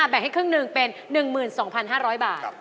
๒๕๐๐๐แบ่งให้ครึ่งหนึ่งเป็น๑๒๕๐๐บาท